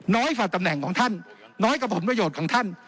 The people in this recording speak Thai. น้อยกว่าตำแหน่งของท่านน้อยกับผลประโยชน์ของท่าน